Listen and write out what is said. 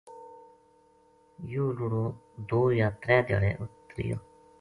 یوہ لُڑو دو یا ترے دھیاڑے اُت رہیو